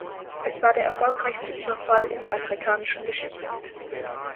Es war der erfolgreichste Überfall in der amerikanischen Geschichte.